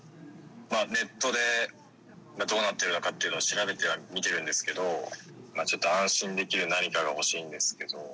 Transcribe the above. ネットでどうなっているのかを調べてみているんですけど安心できる何かが欲しいんですけど。